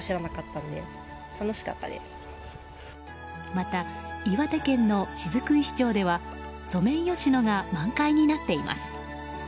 また、岩手県の雫石町ではソメイヨシノが満開になっています。